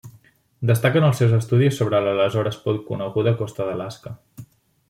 Destaquen els seus estudis sobre l'aleshores poc coneguda costa d'Alaska.